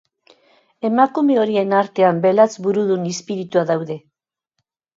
Emakume horien artean, belatz burudun izpirituak daude.